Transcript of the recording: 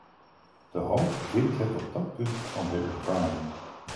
De hoop wint het op dat punt van de ervaring.